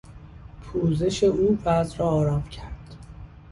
پوزش او وضع را آرام کرد.